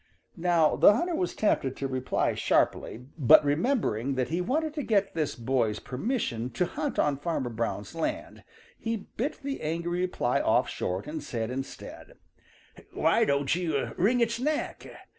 Now the hunter was tempted to reply sharply, but remembering that he wanted to get this boy's permission to hunt on Farmer Brown's land, he bit the angry reply off short and said instead, "Why don't you wring its neck?